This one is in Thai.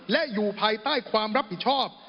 และอยู่ภายใต้ความรับผิดชอบ